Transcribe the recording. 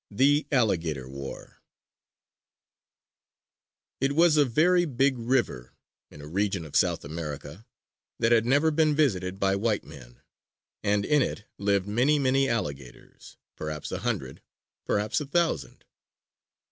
THE ALLIGATOR WAR It was a very big river in a region of South America that had never been visited by white men; and in it lived many, many alligators perhaps a hundred, perhaps a thousand.